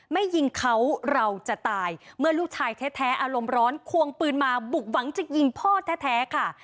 ไม่ยิงเขาเราจะตายเมื่อลูกชายแท้อารมณ์ร้อนควงปืนมาบุกหวังจะยิงพ่อแท้ค่ะ